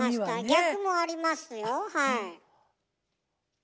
逆もありますよはい。